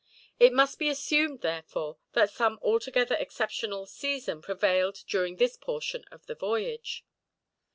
It must be assumed, therefore, that some altogether exceptional season prevailed during this portion of the voyage.